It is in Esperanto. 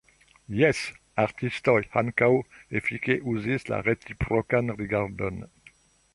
Jes, artistoj ankaŭ efike uzis la reciprokan rigardon.